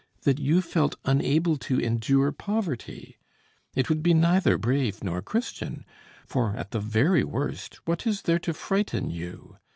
That you felt unable to endure poverty. It would be neither brave nor Christian; for, at the very worst, what is there to frighten you?